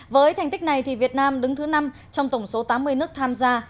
với thành tích này việt nam đứng thứ năm trong tổng số tám mươi nước tham gia